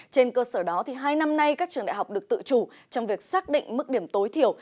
trên cơ sở đó hai năm nay các trường đại học được tự chủ trong việc xác định mức điểm tối thiểu